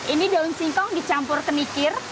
ini daun singkong dicampur ke mikir